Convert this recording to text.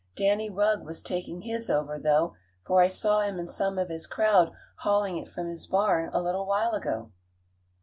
Danny Rugg was taking his over, though, for I saw him and some of his crowd hauling it from his barn a little while ago."